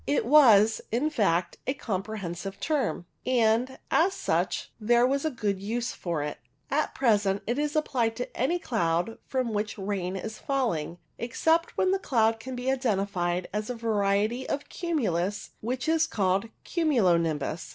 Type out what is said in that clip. It was, in fact, a comprehensive term, and as such there was a good use for it. At present it is applied to any cloud from which rain is falling, except when the cloud can be identified as a variety of cumulus which is called cumulo nimbus.